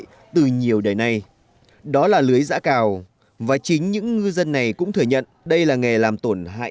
vậy từ nhiều đời nay đó là lưới giã cào và chính những ngư dân này cũng thừa nhận đây là nghề làm tổn hại